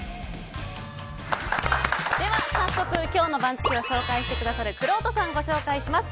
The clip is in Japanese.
早速、今日の番付を紹介してくださるくろうとさんをご紹介します。